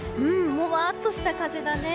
もわっとした風だね。